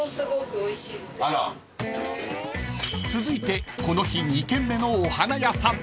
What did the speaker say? ［続いてこの日２軒目のお花屋さん］